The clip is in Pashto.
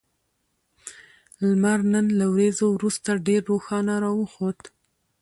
لمر نن له وريځو وروسته ډېر روښانه راوخوت